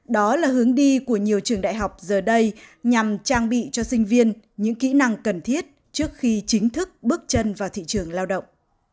đó là hướng đi của nhiều trường đại học giờ đây nhằm trang bị cho sinh viên những kỹ năng cần thiết trước khi chính thức bước chân vào thị trường lao động